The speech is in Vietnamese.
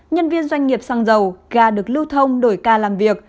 nhân viên doanh nghiệp xăng dầu ga được lưu thông đổi ca làm việc